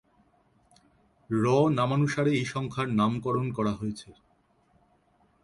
র নামানুসারে এই সংখ্যার নামকরণ করা হয়েছে।